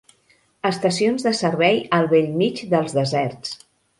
Estacions de servei al bell mig dels deserts.